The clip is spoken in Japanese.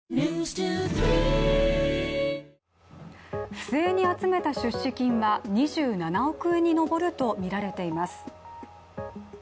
不正に集めた出資金は２７億円に上るとみられています。